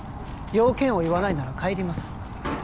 用件を言わないなら帰ります